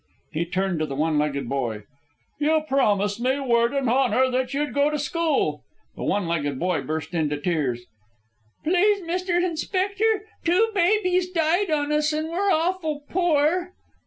He turned to the one legged boy. "You promised me, word and honour, that you'd go to school." The one legged boy burst into tears. "Please, Mr. Inspector, two babies died on us, and we're awful poor."